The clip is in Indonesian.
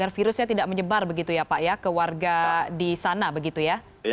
agar virusnya tidak menyebar begitu ya pak ya ke warga di sana begitu ya